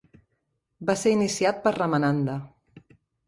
Va ser iniciat per Ramananda.